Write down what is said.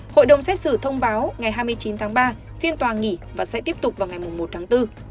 hội đồng xét xử thông báo ngày hai mươi chín tháng ba phiên tòa nghỉ và sẽ tiếp tục vào ngày một tháng bốn